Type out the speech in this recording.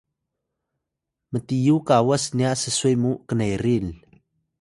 Pireh: mtiyu kawas nya sswe mu nerin